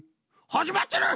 はじまってる！